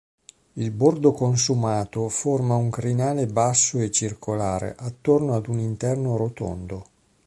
Il bordo consumato forma un crinale basso e circolare attorno ad un interno rotondo.